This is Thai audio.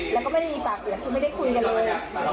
แล้วก็ไม่ได้มีปากเสียงคือไม่ได้คุยกันเลย